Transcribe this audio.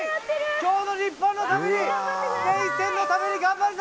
今日の日本のためにスペイン戦のために頑張るぞ！